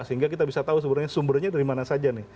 sehingga kita bisa tahu sebenarnya sumbernya dari mana saja nih